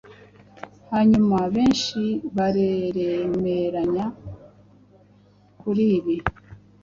Hanyuma benshi baremeranya kuri ibi